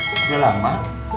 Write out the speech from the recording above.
gak sih udah lama